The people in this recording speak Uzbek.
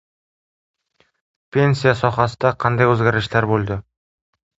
Pensiya sohasida qanday o‘zgarishlar bo‘ldi?